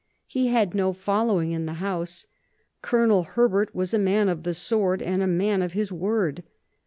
He had no following in the House. Colonel Herbert was a man of the sword and a man of his word.